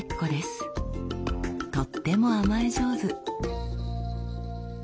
とっても甘え上手。